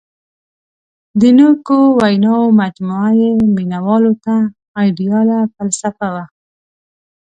• د نیکو ویناوو مجموعه یې مینوالو ته آیډیاله فلسفه وه.